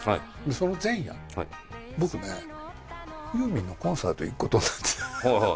その前夜、僕ね、ユーミンのコンサート行くことになってた。